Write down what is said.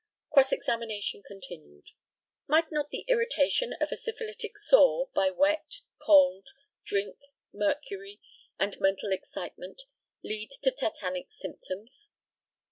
Cross examination continued: Might not the irritation of a syphilitic sore, by wet, cold, drink, mercury, and mental excitement, lead to tetanic symptoms?